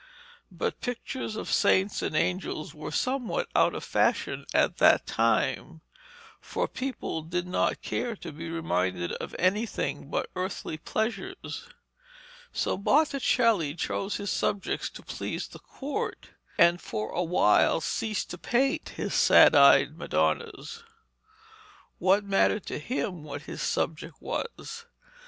But pictures of saints and angels were somewhat out of fashion at that time, for people did not care to be reminded of anything but earthly pleasures. So Botticelli chose his subjects to please the court, and for a while ceased to paint his sad eyed Madonnas. What mattered to him what his subject was?